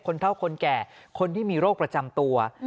เท่าคนแก่คนที่มีโรคประจำตัว